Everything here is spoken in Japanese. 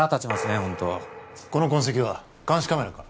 ホントこの痕跡は監視カメラか？